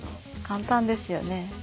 簡単ですよね。